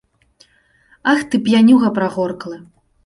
Ах ты, п'янюга прагорклы!